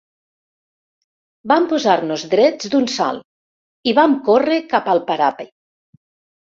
Vam posar-nos drets d'un salt i vam córrer cap al parape